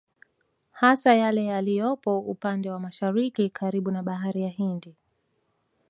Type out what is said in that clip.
Hasa yale yaliyopo upande wa Masahariki karibu na bahari ya Hindi